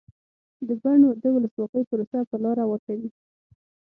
د بن د ولسواکۍ پروسه په لاره واچوي.